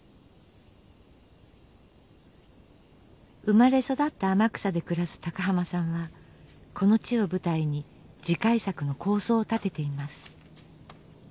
生まれ育った天草で暮らす高浜さんはこの地を舞台に次回作の構想を立てています。